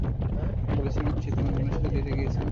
বলেছিলাম না, সে তোমার বোনের সাথে ডেটে গিয়েছিল!